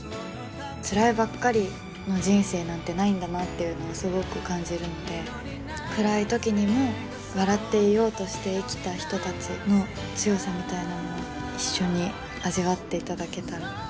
つらいばっかりの人生なんてないんだなっていうのをすごく感じるので暗い時にも笑っていようとして生きた人たちの強さみたいなものを一緒に味わっていただけたらうれしいなと思います。